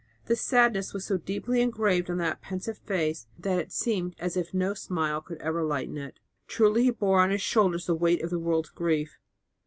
The sadness was so deeply engraved on that pensive face that it seemed as if no smile could ever lighten it; truly he bore on his shoulders the weight of the world's grief.